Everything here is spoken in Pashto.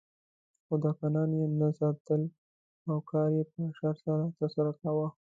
خو دهقانان یې نه ساتل او کار یې په اشر سره ترسره کاوه.